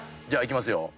じゃあいきますよ。